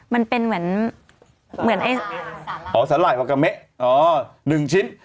มันเป็นเหมือนไอ้อ๋อสาหร่ายวากาเมะอ๋อ๑ชิ้น